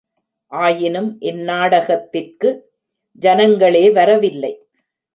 ஆயினும் இந்நாடகத்திற்கு ஜனங்களே வரவில்லை.